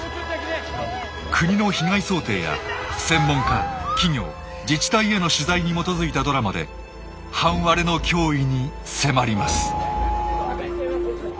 国の被害想定や専門家企業自治体への取材に基づいたドラマで半割れの脅威に迫ります。